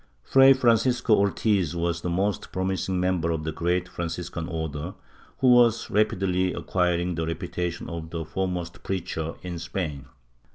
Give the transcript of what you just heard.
Fray Francisco Ortiz was the most promising member of the great Franciscan Order, who was rapidly acquiring the reputation of the foremost preacher in Spain.